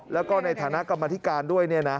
แล้วก็ในฐานะกรรมธิการด้วย